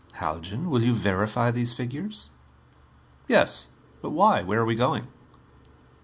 Haljan, will you verify these figures?" "Yes. But why? Where are we going?"